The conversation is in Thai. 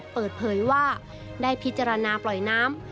เปิดเผยว่าได้พิจารณาปล่อยน้ำ